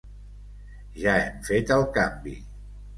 Ja hem fet el canvi.